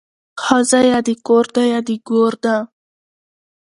ښځه يا د کور ده يا د ګور ده